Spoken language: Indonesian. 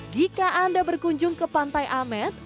jika anda berkunjung ke pantai amet